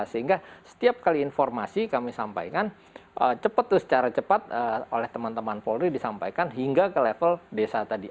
sehingga setiap kali informasi kami sampaikan cepat secara cepat oleh teman teman polri disampaikan hingga ke level desa tadi